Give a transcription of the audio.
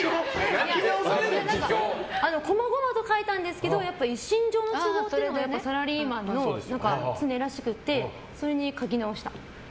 こまごまと書いたんですけど一身上の都合っていうのがサラリーマンの常らしくてそれに書き直した。